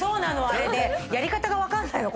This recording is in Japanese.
あれねやり方が分かんないの。